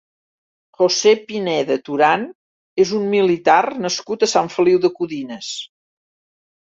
José Pineda Turán és un militar nascut a Sant Feliu de Codines.